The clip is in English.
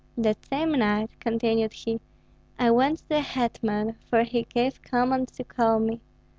"That same night," continued he, "I went to the hetman, for he gave command to call me.